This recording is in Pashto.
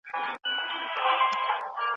قصاص د ټولني د امنیت لپاره مهم دی.